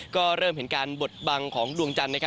ก็เริ่มเห็นการบดบังของดวงจันทร์